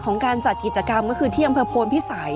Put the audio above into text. การจัดกิจกรรมก็คือที่อำเภอโพนพิสัย